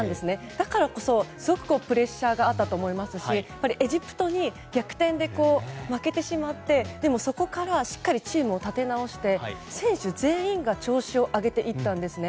だからこそすごくプレッシャーがあったと思いますしエジプトに逆転で負けてしまってでも、そこからしっかりチームを立て直して選手全員が調子を上げていったんですね。